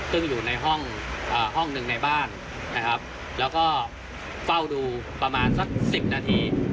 ซึ่งอยู่ในห้องหนึ่งในบ้านนะครับแล้วก็เฝ้าดูประมาณสัก๑๐นาที